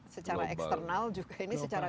secara eksternal juga ini secara